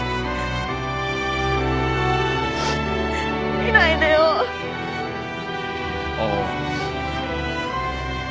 見ないでよ。ああ。